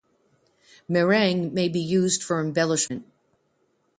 Meringue may be used for embellishment.